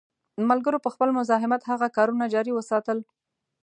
ملګرو په خپل مزاحمت هغه کارونه جاري وساتل.